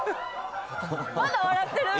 まだ笑ってる。